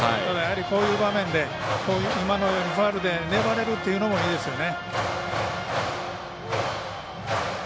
こういう場面で今のようにファウルで粘れるというのもいいですよね。